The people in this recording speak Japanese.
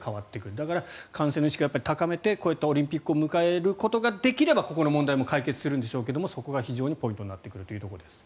だから、感染の意識を高めてこうやってオリンピックを迎えることができればここの問題も解決するんでしょうけどそこが非常にポイントになってくるというところです。